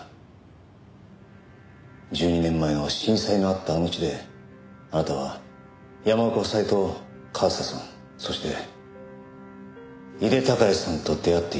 １２年前の震災のあったあの地であなたは山岡夫妻と和沙さんそして井手孝也さんと出会っていた。